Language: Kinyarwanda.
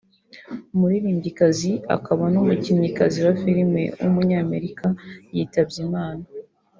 umuririmbyikazi akaba n’umukinnyikazi wa filime w’umunyamerika yitabye Imana